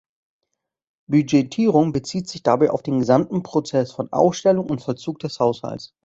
Budgetierung bezieht sich dabei auf den gesamten Prozess von Aufstellung und Vollzug des Haushalts.